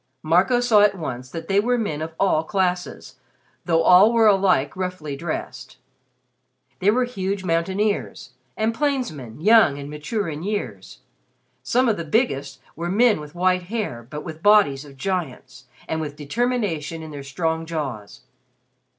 Marco saw at once that they were men of all classes, though all were alike roughly dressed. They were huge mountaineers, and plainsmen young and mature in years. Some of the biggest were men with white hair but with bodies of giants, and with determination in their strong jaws.